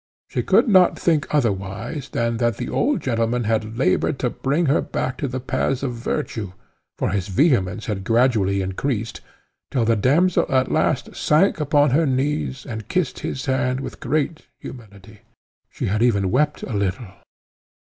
She could not think otherwise than that the old gentleman had laboured to bring her back to the paths of virtue, for his vehemence had gradually increased, till the damsel at last sank upon her knees and kissed his hand with great humility: she had even wept a little.